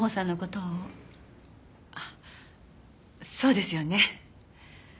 あっそうですよね。